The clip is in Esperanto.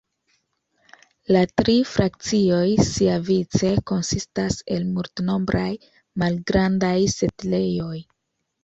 La tri frakcioj siavice konsistas el multnombraj malgrandaj setlejoj.